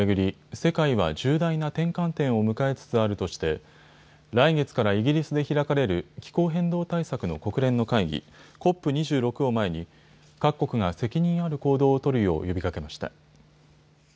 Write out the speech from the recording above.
世界は重大な転換点を迎えつつあるとして来月からイギリスで開かれる気候変動対策の国連の会議、ＣＯＰ２６を前に各国が責任ある行動を取るよう呼びかけました。